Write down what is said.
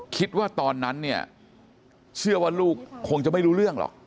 คิดว่าตอนนั้นเนี่ยเชื่อว่าลูกคงจะไม่รู้เรื่องหรอก